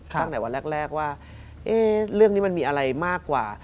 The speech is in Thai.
ตั้งแต่วันแรกว่าเรื่องนี้มันมีอะไรมากกว่า